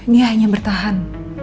dia hanya bertahan